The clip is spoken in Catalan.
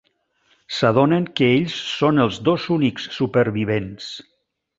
S'adonen que ells són els dos únics supervivents.